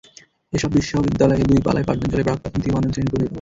এসব বিদ্যালয়ে দুই পালায় পাঠদান চলে প্রাক্-প্রাথমিক থেকে পঞ্চম শ্রেণি পর্যন্ত।